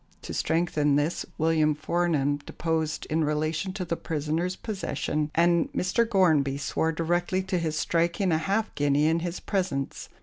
To strengthen this, William Fornham deposed in relation to the prisoners' possession, and Mr. Gornbey swore directly to his striking a half guinea in his presence.